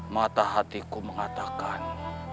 mata hatiku mengatakan